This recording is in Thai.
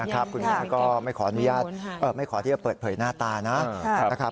คุณนี้ก็ไม่ขอที่จะเปิดเผยหน้าตานะ